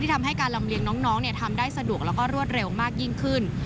ทำให้การลำเลียงน้องทำได้สะดวกแล้วก็รวดเร็วมากยิ่งขึ้น